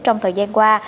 trong thời gian qua